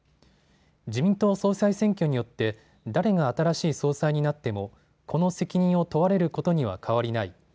自民党総裁選挙によって誰が新しい総裁になってもこの責任を問われることには変わりない。